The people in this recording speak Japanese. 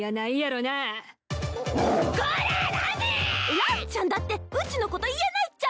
ランちゃんだってうちのこと言えないっちゃ！